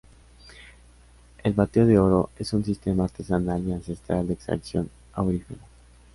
El bateo de oro es un sistema artesanal y ancestral de extracción aurífera.